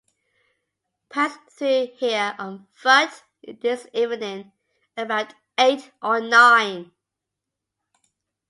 Passed through here on foot this evening about eight or nine.